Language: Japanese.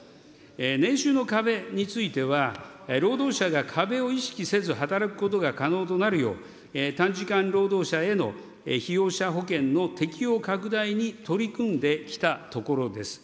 年収の壁については、労働者が壁を意識せず働くことが可能となるよう、短時間労働者への被用者保険の適用拡大に取り組んできたところです。